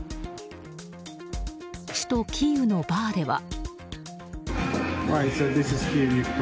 首都キーウのバーでは。